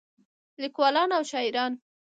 لیکولان او شاعران